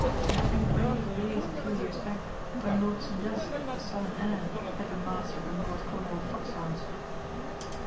There had been brave days a few years back when Lord St. Just the son and heir had been master of the North Cornwall Foxhounds.